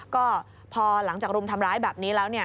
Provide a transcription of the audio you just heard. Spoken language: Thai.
ก็พอหลังจากรุมทำร้ายแบบนี้แล้ว